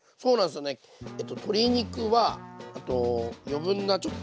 鶏肉は余分なちょっとね